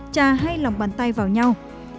hai trà hai lòng bàn tay vào nhau